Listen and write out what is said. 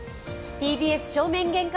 ＴＢＳ正面玄関